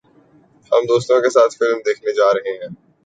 ہم دوستوں کے ساتھ فلم دیکھنے جا رہے ہیں